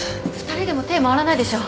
２人でも手回らないでしょ。